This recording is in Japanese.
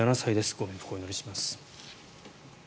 ご冥福をお祈りします。